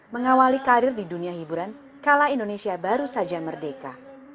mengawali karir di dunia hiburan kala indonesia baru saja merdeka